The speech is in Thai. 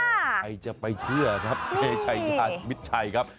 ใครจะไปเชื่อครับเพชายามิดชัยครับ